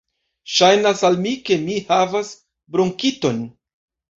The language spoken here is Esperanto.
Ŝajnas al mi ke mi havas bronkiton.